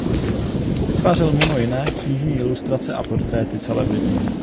Vytvářel mimo jiné knižní ilustrace a portréty celebrit.